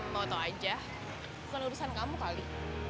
tau tau aja bukan urusan kamu kali